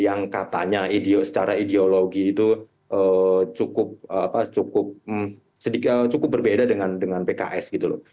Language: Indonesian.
yang katanya secara ideologi itu cukup berbeda dengan pks